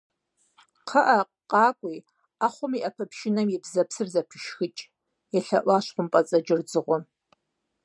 - КхъыӀэ, къакӀуи, Ӏэхъуэм и Ӏэпэпшынэм и бзэпсыр зэпышхыкӀ, - елъэӀуащ хъумпӀэцӀэджыр дзыгъуэм.